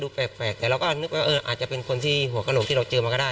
แปลกแต่เราก็นึกว่าอาจจะเป็นคนที่หัวกระโหลกที่เราเจอมาก็ได้